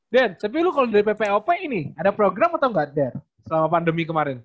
den sepuluh kalau dari ppop ini ada program atau enggak den selama pandemi kemarin